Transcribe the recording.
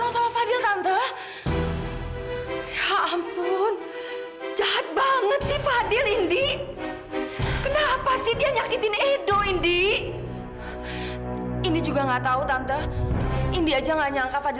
sampai jumpa di video selanjutnya